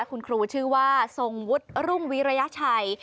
คุณครูชื่อว่าทรงวุฒิรุ่งวิรยชัย